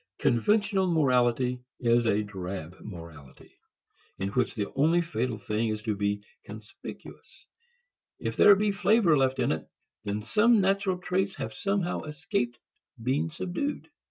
Conventional morality is a drab morality, in which the only fatal thing is to be conspicuous. If there be flavor left in it, then some natural traits have somehow escaped being subdued.